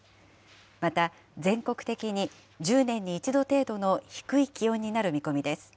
また、全国的に１０年に一度程度の低い気温になる見込みです。